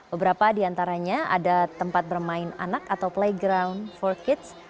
beberapa di antaranya ada tempat bermain anak atau playground for kids